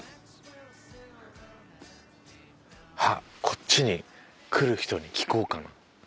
あっこっちに来る人に聞こうかな。